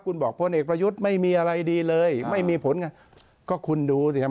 คุณบอกพลเอกประยุทธ์ไม่มีอะไรดีเลยไม่มีผลไงก็คุณดูสิครับ